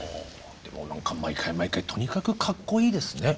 でも毎回毎回とにかくカッコいいですね。